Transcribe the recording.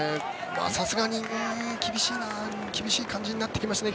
さすがに厳しい感じになってきますね